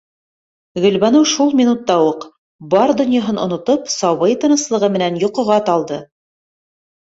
Гөлбаныу шул минутта уҡ, бар донъяһын онотоп, сабый тыныслығы менән йоҡоға талды...